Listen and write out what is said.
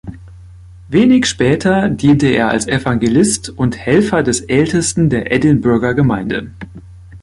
Wenig später diente er als Evangelist und Helfer des Ältesten der Edinburgher Gemeinde.